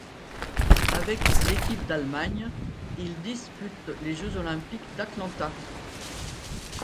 Avec l'équipe d'Allemagne, il dispute les Jeux olympiques d'Atlanta.